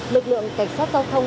lực lượng cảnh sát giao thông